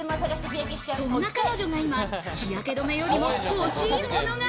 そんな彼女が今、日焼け止めよりも欲しいものが。